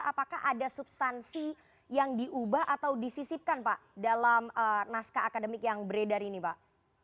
apakah ada substansi yang diubah atau disisipkan pak dalam naskah akademik yang beredar ini pak